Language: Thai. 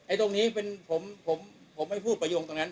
ไอ้ตรงนี้ผมไม่พูดประโยคตรงนั้น